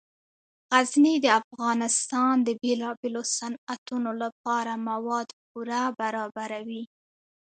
غزني د افغانستان د بیلابیلو صنعتونو لپاره مواد پوره برابروي.